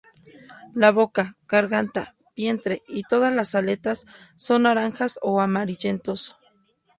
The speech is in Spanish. La boca, garganta, vientre, y todas las aletas, son naranjas, o amarillentos.